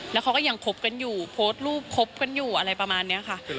แล้วเขาก็ยังคบกันอยู่โพสต์รูปคบกันอยู่อะไรประมาณนี้ค่ะ